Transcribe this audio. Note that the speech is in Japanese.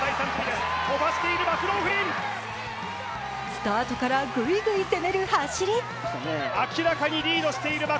スタートからぐいぐい攻める走り。